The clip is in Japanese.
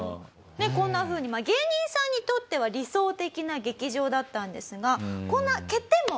こんなふうに芸人さんにとっては理想的な劇場だったんですが。